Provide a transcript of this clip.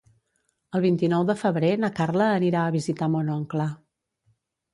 El vint-i-nou de febrer na Carla anirà a visitar mon oncle.